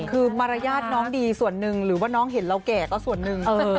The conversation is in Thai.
คือมารยาทน้องดีส่วนหนึ่งหรือว่าน้องเห็นเราแก่ก็ส่วนหนึ่ง